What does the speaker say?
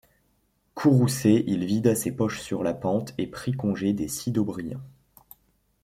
Courroucé, il vida ses poches sur la pente et pris congé des Sidobriens.